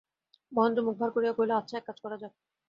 মহেন্দ্র মুখ ভার করিয়া কহিল, আচ্ছা, এক কাজ করা যাক।